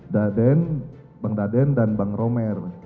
daden bang daden dan bang romer